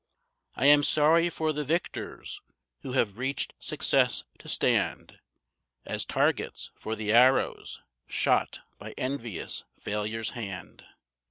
I am sorry for the victors who have reached success, to stand As targets for the arrows shot by envious failure's hand.